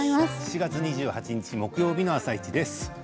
７月２８日木曜日の「あさイチ」です。